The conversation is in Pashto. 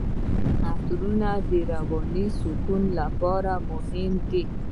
عطرونه د رواني سکون لپاره مهم دي.